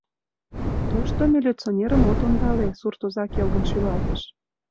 — Тошто милиционерым от ондале! — суртоза келгын шӱлалтыш.